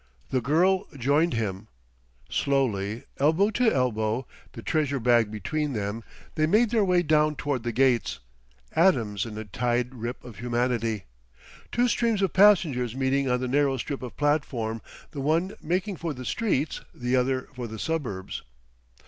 The girl joined him. Slowly, elbow to elbow, the treasure bag between them, they made their way down toward the gates, atoms in a tide rip of humanity, two streams of passengers meeting on the narrow strip of platform, the one making for the streets, the other for the suburbs.